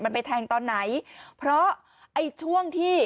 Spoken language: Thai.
มันไปแทงตอนไหนเพราะไอ้ช่วงที่